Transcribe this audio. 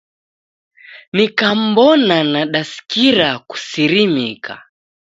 Nikamw'ona nadasikira kusirimika..